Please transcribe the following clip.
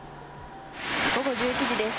午後１１時です。